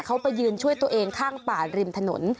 เขาไปยืนช่วยตัวเองข้างป่าริมถนน